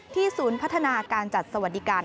ศูนย์พัฒนาการจัดสวัสดิการ